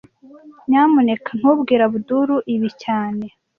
Nyamuneka ntubwire Abdul ibi cyane